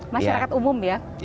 masyarakat umum ya